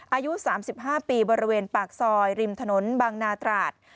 อายุ๓๕ปีบริเวณปากซอยริมถนนบางนาตราด